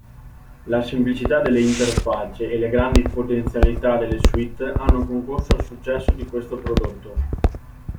La semplicità delle interfacce e le grandi potenzialità della suite hanno concorso al successo di questo prodotto.